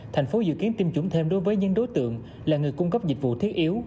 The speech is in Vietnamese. thành phố dự kiến tiêm chủng thêm đối với những đối tượng là người cung cấp dịch vụ thiết yếu